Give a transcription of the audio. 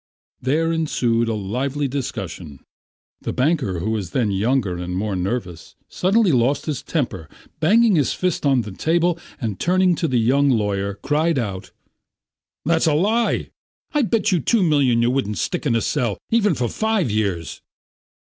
There ensued a lively discussion. The banker who was then younger and more nervous suddenly lost his temper, banged his fist on the table, and turning to the young lawyer, cried out: "It's a lie. I bet you two millions you wouldn't stick in a cell even for five years."